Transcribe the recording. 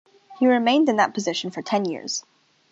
He remained in that position for ten years.